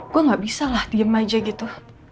gue gak bisa lah diem aja gitu